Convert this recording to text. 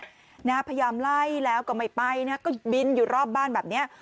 พยายามไล่แล้วก็ไม่ไปนะก็บินอยู่รอบบ้านแบบนี้